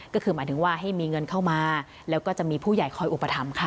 ก็คือหมายถึงว่าให้มีเงินเข้ามาแล้วก็จะมีผู้ใหญ่คอยอุปถัมภ์ค่ะ